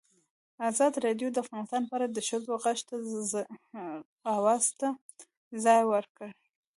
ازادي راډیو د اقتصاد په اړه د ښځو غږ ته ځای ورکړی.